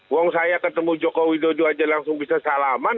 wong saya ketemu jokowi dodu aja langsung bisa salaman